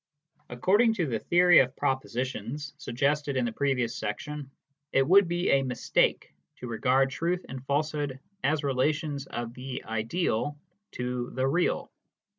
According to the theory of propositions suggested in the previous section, it would be a mistake to regard truth and falsehood as relations of the " ideal " to the " real."